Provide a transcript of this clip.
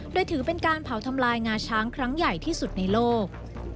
โดยถือเป็นการเผาทำลายงาช้างครั้งใหญ่ที่สุดในโลก